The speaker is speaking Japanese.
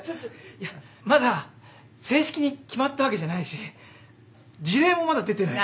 いやまだ正式に決まったわけじゃないし辞令もまだ出てないし。